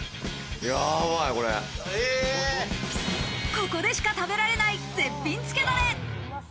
ここでしか食べられない絶品つけダレ。